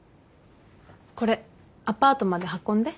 これアパートまで運んで。